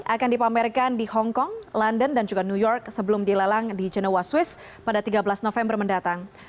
akan dipamerkan di hongkong london dan juga new york sebelum dilelang di genewa swiss pada tiga belas november mendatang